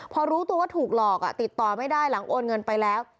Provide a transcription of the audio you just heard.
พอรู้ตัวว่าถูกหลอกติดต่อไม่ได้หลังโอนเงินไปแล้ว